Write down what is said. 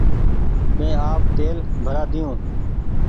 مينٚ آپ تيل ڀرآۮييو